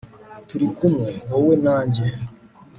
turi kumwe, wowe nanjye